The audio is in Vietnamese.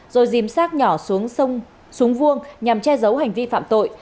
rồi dìm sát nhỏ xuống vuông nhằm che giấu hành vi phạm tội